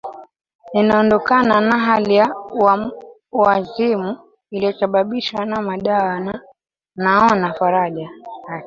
ninaondokana na hali ya uwazimu iliyosababishwa na madawa na naona faraja sasa